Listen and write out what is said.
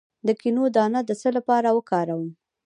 د کینو دانه د څه لپاره وکاروم؟